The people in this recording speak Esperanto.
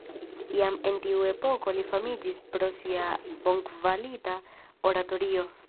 Jam en tiu epoko li famiĝis pro sia bonkvalita oratorio.